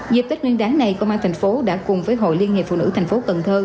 dịp tết nguyên đáng này công an thành phố đã cùng với hội liên hiệp phụ nữ thành phố cần thơ